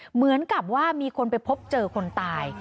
เหมือนกับว่ามีคนไปพบเจอคนตาย